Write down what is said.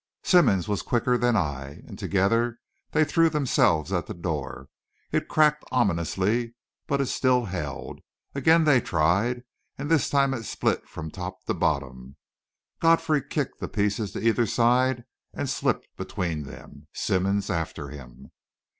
Simmonds was quicker than I, and together they threw themselves at the door. It cracked ominously, but still held; again they tried, and this time it split from top to bottom. Godfrey kicked the pieces to either side and slipped between them, Simmonds after him.